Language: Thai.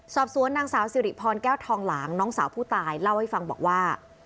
สอบสวนนางสาวสิริพรแก้วทองหลางน้องสาวผู้ตายเล่าให้ฟังบอกว่า